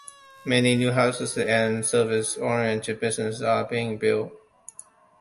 Many new houses and service-oriented businesses are being built.